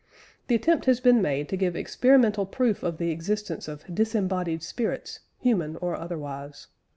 The attempt has been made to give experimental proof of the existence of "disembodied spirits," human or otherwise.